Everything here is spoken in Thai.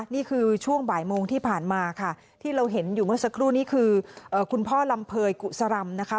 นี่คือช่วงบ่ายโมงที่ผ่านมาค่ะที่เราเห็นอยู่เมื่อสักครู่นี้คือคุณพ่อลำเภยกุศรำนะคะ